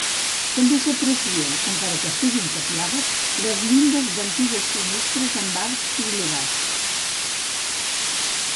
També s'aprecien, encara que estiguin tapiades, les llindes d'antigues finestres amb arcs trilobats.